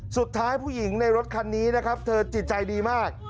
ผู้หญิงในรถคันนี้นะครับเธอจิตใจดีมาก